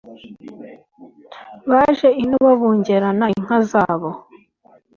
baje ino babungerana inka zabo;